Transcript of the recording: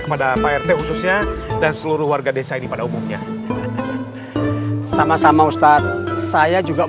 kepada pak rt khususnya dan seluruh warga desa ini pada umumnya sama sama ustadz saya juga